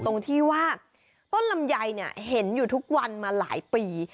ตรงที่ว่าต้นลำไยเนี่ยเห็นอยู่ทุกวันมาหลายปี